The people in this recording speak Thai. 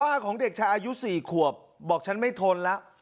ของเด็กชายอายุ๔ขวบบอกฉันไม่ทนแล้ว